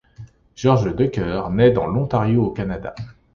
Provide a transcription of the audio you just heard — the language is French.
George Ducker naît dans l'Ontario au Canada.